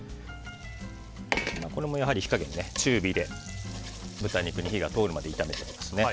これもやはり、火加減は中火で豚肉に火が通るまで炒めていきます。